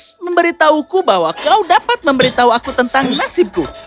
dan memberitahuku bahwa kau dapat memberitahu aku tentang nasibku